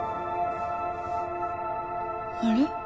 あれ？